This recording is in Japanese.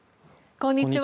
こんにちは。